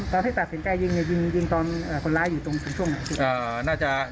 ให้ตัดสินใจยิงเนี่ยยิงตอนคนร้ายอยู่ตรงช่วงไหน